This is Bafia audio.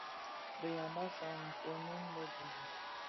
Bë Yambassa nkpoňèn le (Gunu),